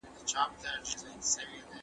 د اللهﷻ د لیدو احساس بنده له ګناه ساتي.